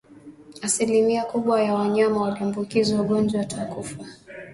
Asilimia kubwa ya wanyama walioambukizwa ugonjwa watakufa